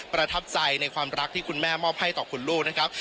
ประทับใจในความรักที่คุณแม่มอบให้ต่อคุณลูกนะครับ